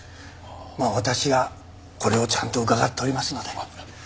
まあ私がこれをちゃんと伺っておりますので。